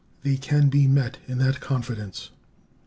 They can be met in that confidence.